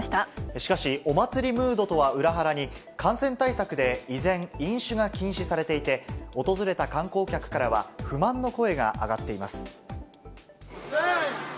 しかし、お祭りムードとは裏腹に、感染対策で依然、飲酒が禁止されていて、訪れた観光客からは不満の声が上がっています。